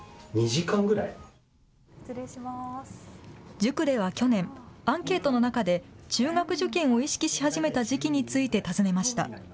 塾では去年、アンケートの中で中学受験を意識し始めた時期について尋ねました。